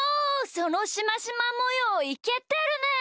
そのしましまもよういけてるね！